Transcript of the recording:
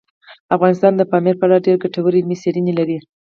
افغانستان د پامیر په اړه ډېرې ګټورې علمي څېړنې لري.